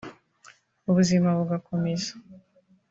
ubuzima bugakomeza